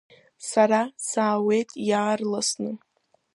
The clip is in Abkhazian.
Сара саауеит иаарласны…